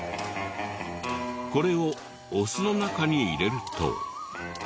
これをお酢の中に入れると。